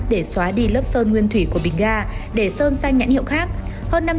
để xóa đi lớp sơn nguyên thủy của bình ga để sơn sang nhãn hiệu khác